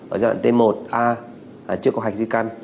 ở giai đoạn t một a chưa có hạch di căn